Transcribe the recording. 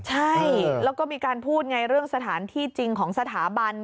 ใช่แล้วก็มีการพูดไงเรื่องสถานที่จริงของสถาบัน